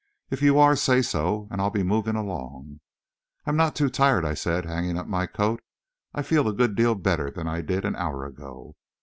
If you are, say so, and I'll be moving along." "I'm not too tired," I said, hanging up my coat. "I feel a good deal better than I did an hour ago."